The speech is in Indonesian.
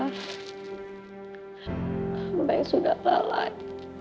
hamba yang sudah lalai